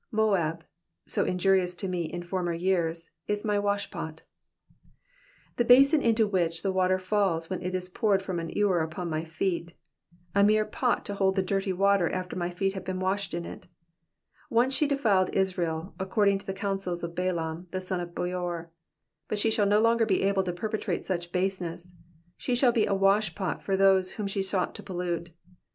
'*Jf(?a5,'' so injurious to me in former years, is my washpot.'*^ The basin into which the water falls when it is poured from an ewer upon my feet. A mere pot to hold the dirty water after my feet have been washed in it. Once she defiled Israel, according to the counsel of Balaam, the son of Beor ; but she shall be no longer able to perpetrate such baseness ; she shall be a washpot for those whom she sought to pollute.